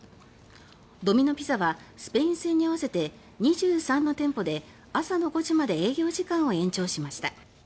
ドミノ・ピザはスペイン戦に合わせて２３の店舗で朝の５時まで営業時間を延長しました。